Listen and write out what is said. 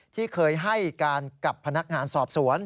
ที่เคยให้การกับพนักงานสอบสวน